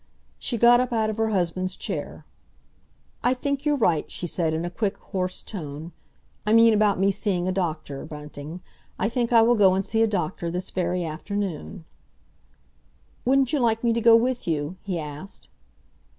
She got up out of her husband's chair. "I think you're right," she said, in a quick, hoarse tone. "I mean about me seeing a doctor, Bunting. I think I will go and see a doctor this very afternoon." "Wouldn't you like me to go with you?" he asked.